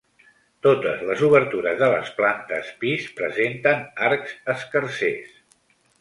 Totes les obertures de les plantes pis presenten arcs escarsers.